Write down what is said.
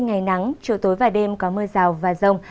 ngày nắng chiều tối và đêm có mưa rào và rông